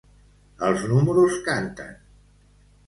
Els números canten!